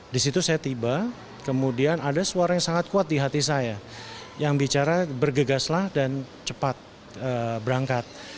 di situ saya tiba kemudian ada suara yang sangat kuat di hati saya yang bicara bergegaslah dan cepat berangkat